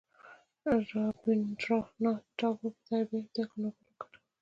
رابیندرانات ټاګور په ادبیاتو کې نوبل وګاټه.